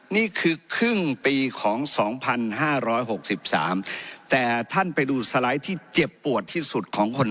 นี่คือครึ่งปีของ๒๕๖๓แต่ท่านไปดูสไลด์ที่เจ็บปวดที่สุดของคน